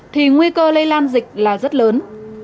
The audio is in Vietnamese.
thì nguy cơ lây lan dịch là rất lớn